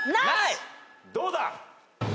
どうだ？